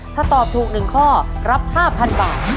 ถ้าตอบถูก๑ข้อรับ๕๐๐๐บาท